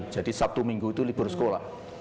jadi sabtu minggu itu libur sekolah